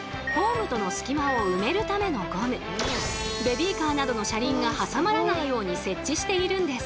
ベビーカーなどの車輪が挟まらないように設置しているんです。